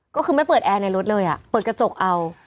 ก็คือไม่เปิดแอร์ในรถเลยอ่ะเปิดกระจกเอา